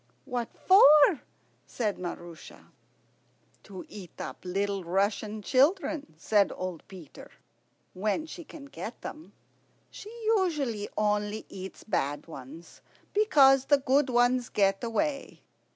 "What for?" said Maroosia. "To eat up little Russian children," said old Peter, "when she can get them. She usually only eats bad ones, because the good ones get away.